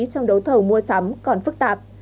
trong đấu thầu mua sắm còn phức tạp